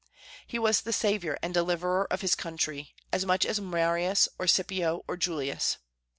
He was the savior and deliverer of his country, as much as Marius or Scipio or Julius.